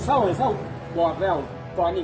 ทำไมต้องคุยกับคนเด็กมาก